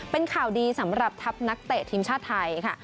เป็นข่าวดีสำหรับทัพนักเตะทีมชาติไทยค่ะ